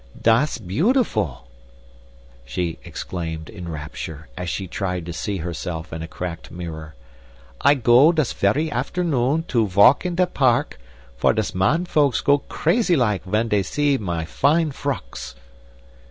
"Das beau tiful!" she exclaimed, in rapture, as she tried to see herself in a cracked mirror. "Ay go das very afternoon to valk in da park, for das man folks go crazy like ven he sees may fine frocks!"